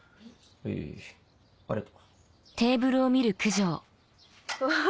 はいありがとう。わ！